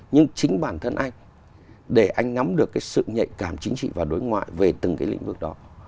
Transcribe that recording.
nhưng chính bản thân anh để anh nắm được cái sự nhạy cảm chính trị và đối ngoại về từng cái lĩnh vực đó